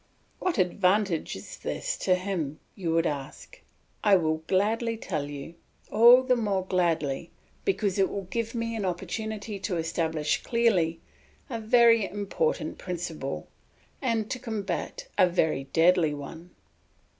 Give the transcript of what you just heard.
"What advantage is this to him?" you would ask. I will gladly tell you; all the more gladly because it will give me an opportunity to establish clearly a very important principle, and to combat a very deadly one.